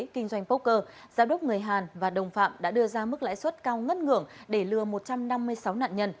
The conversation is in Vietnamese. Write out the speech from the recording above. kinh doanh poker giám đốc người hàn và đồng phạm đã đưa ra mức lãi suất cao ngất ngưỡng để lừa một trăm năm mươi sáu nạn nhân